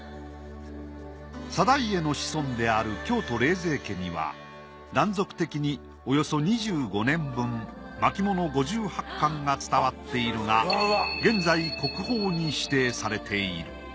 定家の子孫である京都冷泉家には断続的におよそ２５年分巻物５８巻が伝わっているが現在国宝に指定されている。